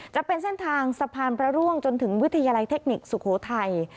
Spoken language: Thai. จะเป็นเส้นทางสะพานพระร่วงจนถึงวิทยาลัยเทคนิคสุโขทัย